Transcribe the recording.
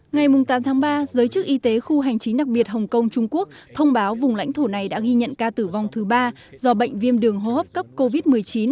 ngày tám tháng ba giới chức y tế khu hành chính đặc biệt hồng kông trung quốc thông báo vùng lãnh thổ này đã ghi nhận ca tử vong thứ ba do bệnh viêm đường hô hấp cấp covid một mươi chín